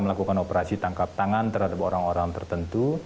melakukan operasi tangkap tangan terhadap orang orang tertentu